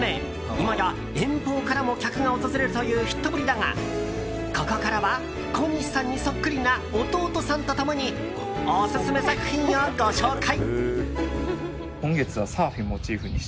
今や遠方からも客が訪れるというヒットぶりだがここからは小西さんにそっくりな弟さんと共にオススメ作品をご紹介。